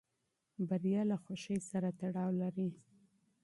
بریا له خوښۍ سره تړاو لري.